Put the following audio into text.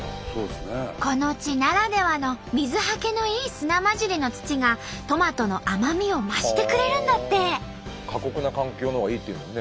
この地ならではの水はけのいい砂混じりの土がトマトの甘みを増してくれるんだって。